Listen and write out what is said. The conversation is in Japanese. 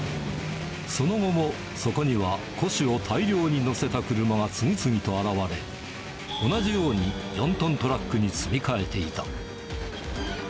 その後もそこには古紙を大量に載せた車が次々と現れ、同じように４トントラックに積み替えていた。